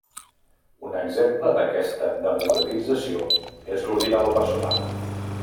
Un exemple d'aquesta democratització és l'ordinador personal.